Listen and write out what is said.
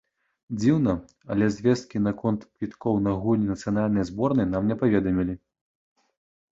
Дзіўна, але звесткі наконт квіткоў на гульні нацыянальнай зборнай нам не паведамілі.